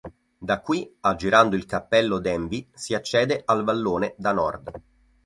Da qui, aggirando il Cappello d'Envie, si accede al vallone da nord.